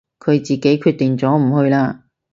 佢自己決定咗唔去啦